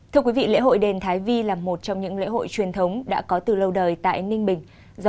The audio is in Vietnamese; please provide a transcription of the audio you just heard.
thưa quý vị lễ hội đền thái vi là một trong những lễ hội truyền thống đã có từ lâu đời tại ninh bình